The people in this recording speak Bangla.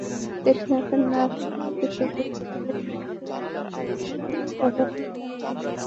টেকনাফের নাফ নদী থেকে বিজিবির নায়েক আবদুর রাজ্জাককে অপহরণের চার দিন পেরিয়েছে।